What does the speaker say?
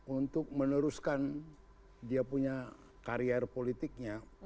untuk meneruskan dia punya karier politiknya